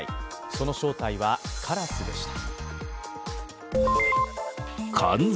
その正体はカラスでした。